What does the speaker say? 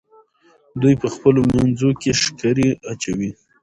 دوی په خپلو منځو کې ښکرې اچوي.